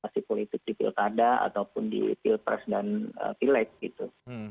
jika melakukan politik di pilkada ataupun di pilpres dan pilet gitu